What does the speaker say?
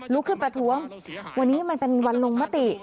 ลุกขึ้นประท้วงวันนี้มันเป็นวันลงมติ